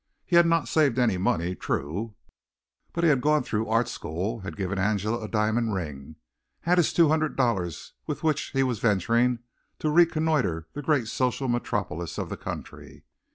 He had not saved any money, true, but he had gone through the art school, had given Angela a diamond ring, had this two hundred dollars with which he was venturing to reconnoitre the great social metropolis of the country.